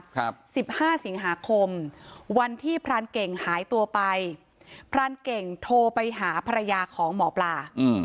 ครับสิบห้าสิงหาคมวันที่พรานเก่งหายตัวไปพรานเก่งโทรไปหาภรรยาของหมอปลาอืม